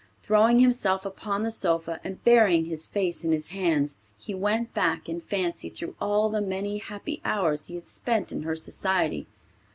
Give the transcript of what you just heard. Throwing himself upon the sofa, and burying his face in his hands, he went back in fancy through all the many happy hours he had spent in her society.